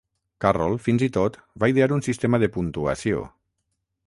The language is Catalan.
Carroll fins i tot va idear un sistema de puntuació.